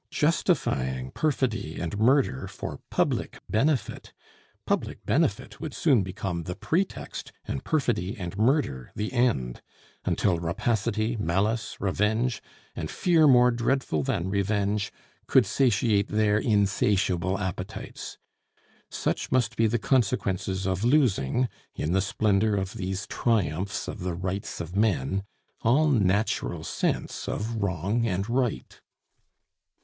Justifying perfidy and murder for public benefit, public benefit would soon become the pretext, and perfidy and murder the end; until rapacity, malice, revenge, and fear more dreadful than revenge, could satiate their insatiable appetites. Such must be the consequences of losing, in the splendor of these triumphs of the rights of men, all natural sense of wrong and right.